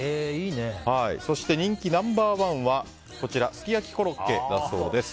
そして人気ナンバー１はすき焼きコロッケだそうです。